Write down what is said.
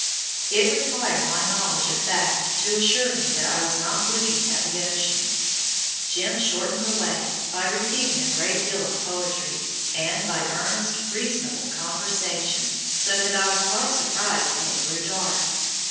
It required my knowledge of fact to assure me that I was not looking at the ocean. "Jim" shortened the way by repeating a great deal of poetry, and by earnest, reasonable conversation, so that I was quite surprised when it grew dark.